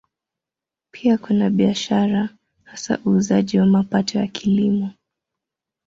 Pia kuna biashara, hasa uuzaji wa mapato ya Kilimo.